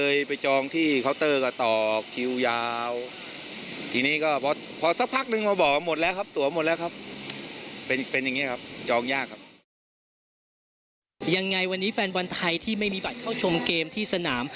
ยังไงวันนี้แฟนบอลไทยที่ไม่มีบัตรเข้าชมเกมที่สนาม